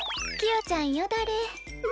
キヨちゃんよだれ。